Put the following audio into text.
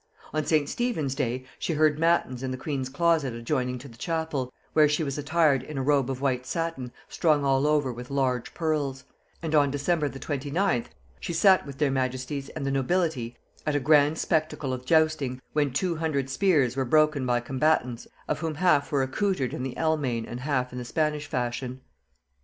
On St. Stephen's day she heard mattins in the queen's closet adjoining to the chapel, where she was attired in a robe of white satin, strung all over with large pearls; and on December the 29th she sat with their majesties and the nobility at a grand spectacle of justing, when two hundred spears were broken by combatants of whom half were accoutered in the Almaine and half in the Spanish fashion.